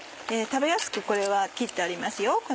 食べやすくこれは切ってありますよ